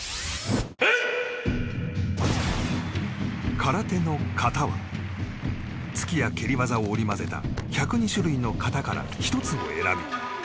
空手の形は突きや蹴り技を織り交ぜた１０２種類の形から１つを選び